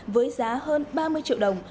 với giá hơn ba mươi triệu đồng